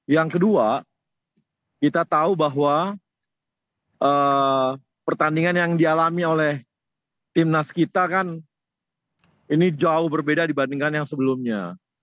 yang kedua kita tahu bahwa pertandingan yang dialami oleh timnas kita kan ini jauh berbeda dibandingkan yang sebelumnya